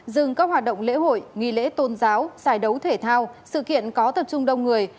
dừng các hoạt động lễ hội nghi lễ tôn giáo giải đấu thể thao sự kiện có tập trung đông người